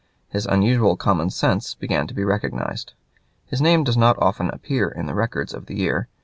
His unusual common sense began to be recognized. His name does not often appear in the records of the year.